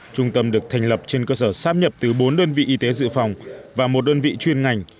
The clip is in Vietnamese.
trung tâm được thành lập trên cơ sở sáp nhập từ bốn đơn vị y tế dự phòng và một đơn vị chuyên ngành